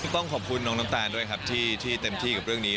ต้องขอบคุณน้องน้ำตาลด้วยครับที่เต็มที่กับเรื่องนี้